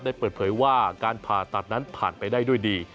เปิดเผยว่าการผ่าตัดนั้นผ่านไปได้ด้วยดี